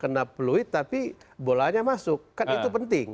kena peluit tapi bolanya masuk kan itu penting